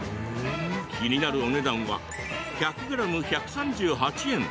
気になるお値段は１００ｇ１３８円。